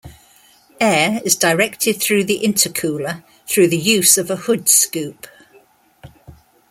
Air is directed through the intercooler through the use of a hood scoop.